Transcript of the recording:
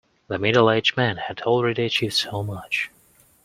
The middle-aged man had already achieved so much.